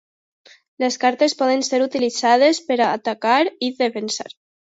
Les cartes poden ser utilitzades per atacar i defensar.